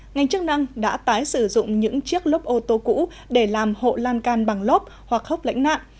ngành chức năng đã tái sử dụng những chiếc lốp ô tô cũ để làm hộ lan can bằng lốp hoặc hốc lãnh nạn